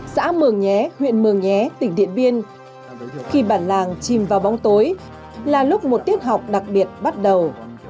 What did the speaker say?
xã mường nhé huyện mường nhé tỉnh điện biên khi bản làng chìm vào bóng tối là lúc một tiết học đặc biệt bắt đầu